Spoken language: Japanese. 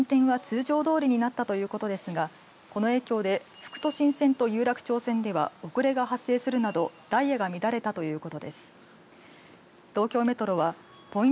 東京メトロによりますと、運転は通常どおりになったということですが、この影響で副都心線と有楽町線では遅れが発生するなどダイヤが乱れたということです。